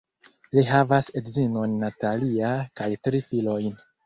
Li havas edzinon Natalia kaj tri filojn.